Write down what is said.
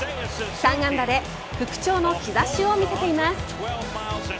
３安打で復調の兆しを見せています。